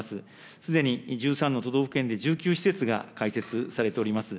すでに１３の都道府県で、１９施設が開設されております。